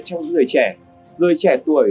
trong những người trẻ người trẻ tuổi